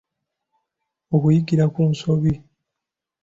okuyigira ku nsobi